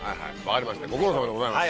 ご苦労さまでございました。